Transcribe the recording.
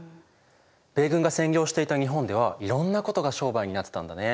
米軍が占領していた日本ではいろんなことが商売になってたんだね。